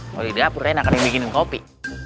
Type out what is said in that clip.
kalau di dapur rena kena bikinin kopi